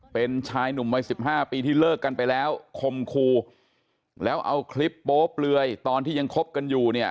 เป็นชายหนุ่ม๑๕ปีที่เลิกกันไปแล้วคมครูแล้วเอาคลิปโป๊ปเลยตอนที่ยังคบกันอยู่